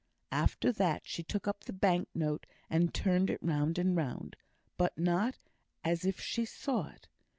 After that she took up the bank note and turned it round and round, but not as if she saw it.